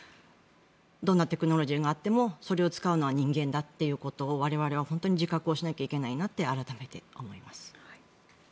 どんなテクノロジーがあってもそれを使うのは人間だということを我々は本当に自覚をしなければいけないなと改めて思います。